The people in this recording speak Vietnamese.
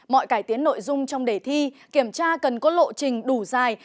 mọi cải tiến nội dung trong đề thi kiểm tra cần có lộ trình đủ dài